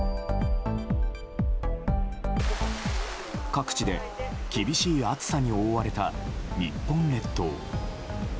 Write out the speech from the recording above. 各地で厳しい暑さに覆われた日本列島。